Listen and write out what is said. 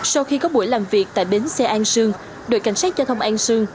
sau khi có buổi làm việc tại bến xe an sương đội cảnh sát giao thông an sương